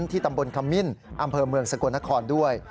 ที่ตำบลขมิ้นอำเภอเมืองสกลนครด้วย